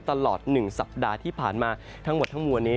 ตลอด๑สัปดาห์ที่ผ่านมาทั้งหมดทั้งมวลนี้